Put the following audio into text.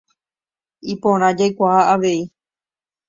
Iporã jaikuaa avei.